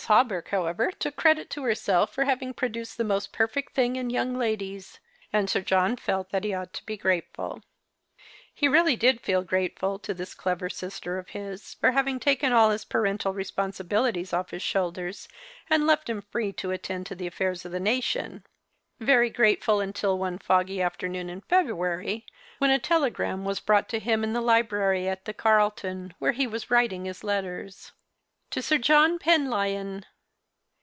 Hawberk, however, took credit to herself for having produced the most perfect thing in young ladies ; and Sir John felt that he ought to be grateful. He really did feel grateful to this clever sister of his for having taken all his paternal responsibilities off his shoulders and left him free to attend to the affairs of the nation— very grateful, until one foggy afternoon in February when a telegram was brought to him in 78 The Christma.s Hirelings. the library at the Carltou, where he was writing his letters. " To 8ir John Penlyon.